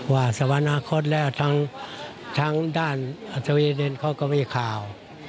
ว่าสวรรคตและทั้งด้านอัศวินินเขาก็มีข่าว